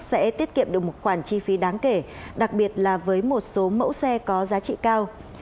sẽ tiết kiệm được một khoản chi phí đáng kể đặc biệt là với một số mẫu xe có giá trị cao